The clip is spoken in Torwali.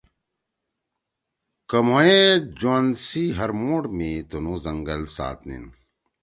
کہ مھو یے ژوند سی ہر موڑ می تنو زنگل سات نین۔